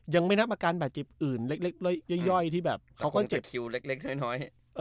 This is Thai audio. ยังไม่นับอาการแบบเจ็บอื่นเล็กเล็กเล็กย่อยย่อยที่แบบเขาก็เจ็บคือเล็กเล็กเล็กน้อยน้อยเออ